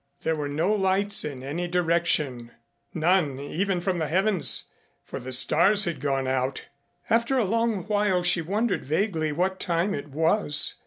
There were no lights in any direction, none even from the heavens, for the stars had gone out. After a long while she wondered vaguely what time it was.